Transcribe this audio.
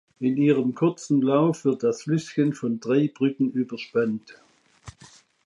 In ihrem kurzen Lauf wird das Flüsschen von drei Brücken überspannt.